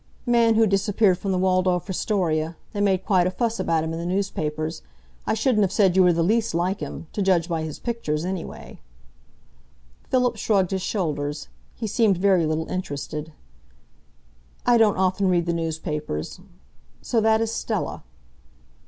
"Man who disappeared from the Waldorf Astoria. They made quite a fuss about him in the newspapers. I shouldn't have said you were the least like him to judge by his pictures, anyway." Philip shrugged his shoulders. He seemed very little interested. "I don't often read the newspapers.... So that is Stella."